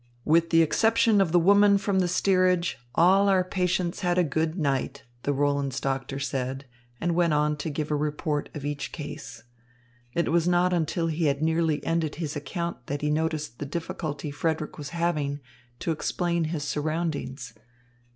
"With the exception of the woman from the steerage, all our patients had a good night," the Roland's doctor said, and went on to give a report of each case. It was not until he had nearly ended his account that he noticed the difficulty Frederick was having to explain his surroundings.